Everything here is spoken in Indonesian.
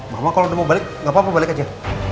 mama kalau udah mau balik nggak apa apa balik aja